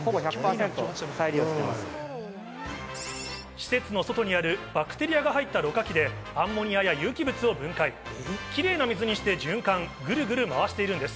施設の外にあるバクテリアが入ったろ過器でアンモニアや有機物を分解、キレイな水にして循環、グルグル回しているんです。